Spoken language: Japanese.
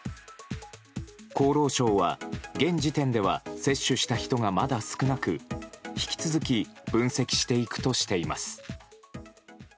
厚労省は、現時点では接種した人がまだ少なく引き続き分析していくとしています。